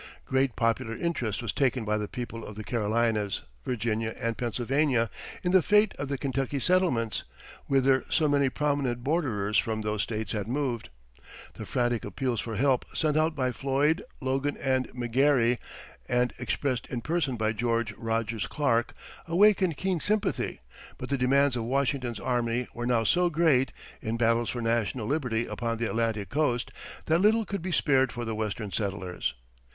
Great popular interest was taken by the people of the Carolinas, Virginia, and Pennsylvania in the fate of the Kentucky settlements, whither so many prominent borderers from those States had moved. The frantic appeals for help sent out by Floyd, Logan, and McGary, and expressed in person by George Rogers Clark, awakened keen sympathy; but the demands of Washington's army were now so great, in battles for national liberty upon the Atlantic coast, that little could be spared for the Western settlers.